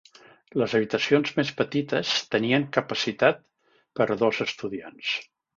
Les habitacions més petites tenien capacitat per a dos estudiants.